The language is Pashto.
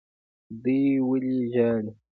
دوی ولې ژاړي.